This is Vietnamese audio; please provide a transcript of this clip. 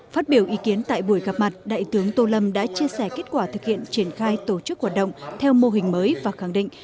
phát biểu ý kiến tại buổi gặp mặt đại tướng tô lâm đã chia sẻ kết quả thực hiện triển khai tổ chức hoạt động theo mô hình mới và khẳng định